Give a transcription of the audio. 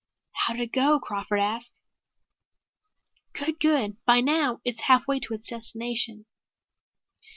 "How did it go?" Crawford asked. "Good! Good! By now it's half way to its destination."